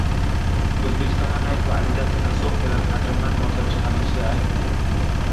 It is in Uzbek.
O‘zbekistonda Nike va Adidas krossovkalari qachondan ishlab chiqarilishi aytildi